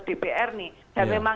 bapak punya mobil dirantur sampai